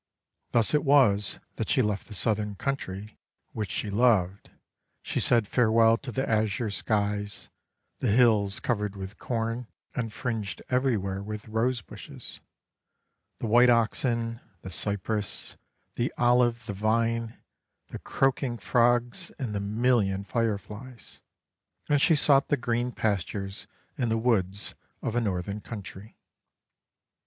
Thus it was that she left the Southern country, which she loved; she said farewell to the azure skies, the hills covered with corn and fringed everywhere with rose bushes, the white oxen, the cypress, the olive, the vine, the croaking frogs, and the million fireflies; and she sought the green pastures and the woods of a Northern country.